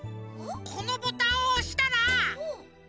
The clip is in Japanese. このボタンをおしたら。